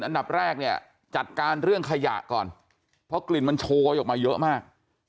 อันดับแรกเนี่ยจัดการเรื่องขยะก่อนเพราะกลิ่นมันโชยออกมาเยอะมาก